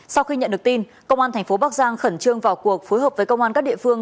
sau khi nhận được tin công an thành phố bắc giang khẩn trương vào cuộc phối hợp với công an các địa phương